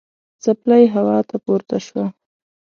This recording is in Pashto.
څپلۍ هوا ته پورته شوه.